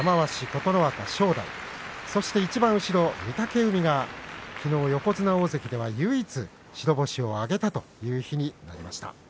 琴ノ若、正代そしていちばん後ろ御嶽海がきのう横綱大関では唯一白星を挙げたという日になりました。